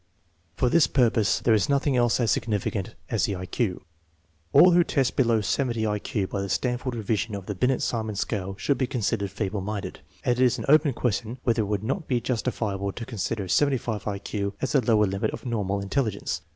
For this purpose there is nothing else as significant as the I Q. All who test below 70 I Q by the Stanford revision of the Binet Simon scale should be considered feeble minded, and it is an open question whether it would not be justifiable to consider 75 I Q as the lower limit of " normal " intelli gence.